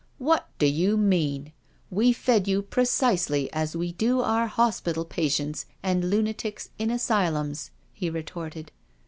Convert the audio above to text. " What do you mean? We fed you precisely as we do our hospital patients and lunatics in asylums," he retorted.